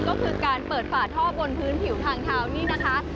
ก็คือการเปิดฝาท่อบนพื้นผิวทางเท้านี่นะคะ